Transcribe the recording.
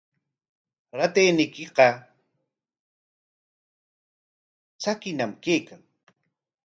Ratayniykiqa tsakiñam kaykan.